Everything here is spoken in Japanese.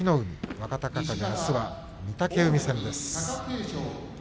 若隆景はあすは御嶽海戦です。